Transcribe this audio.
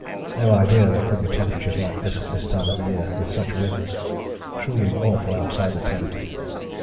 No idea there could be temperatures like this at this time of year with such winds. Truly awful outside the tent.